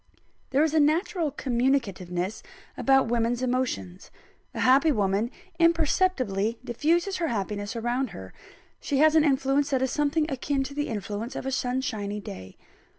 There is a natural communicativeness about women's emotions. A happy woman imperceptibly diffuses her happiness around her; she has an influence that is something akin to the influence of a sunshiny day.